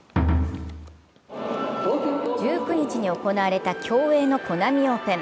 １９日に行われた競泳のコナミオープン。